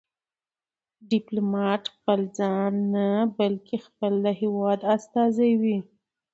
ډيپلومات خپل ځان نه، بلکې خپل د هېواد استازی وي.